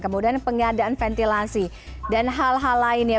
kemudian pengadaan ventilasi dan hal hal lainnya